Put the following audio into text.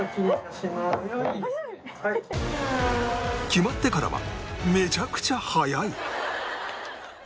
決まってからはめちゃくちゃ早い！